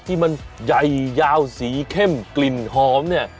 ที่มันใหญ่ยาวสีเข้มกลิ่นหอมเนี่ย